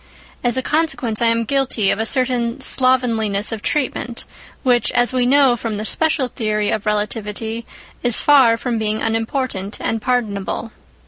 As a consequence, I am guilty of a certain slovenliness of treatment, which, as we know from the special theory of relativity, is far from being unimportant and pardonable.